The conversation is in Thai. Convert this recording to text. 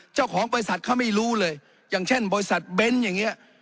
เจ้าของบริษัทเขาไม่รู้เลยอย่างเช่นบริษัทเบนท์อย่างนี้